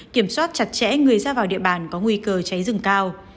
kiểm soát chặt chẽ người ra vào địa bàn có nguy cơ cháy rừng cao